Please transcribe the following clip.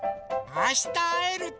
あしたあえるといいね。